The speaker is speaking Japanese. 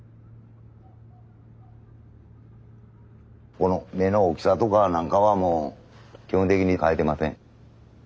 この目の大きさとか何かはもう基本的に変えてません。